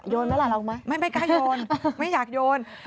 โยนมั้ยละลองมาไม่ก็โยนไม่อยากโยน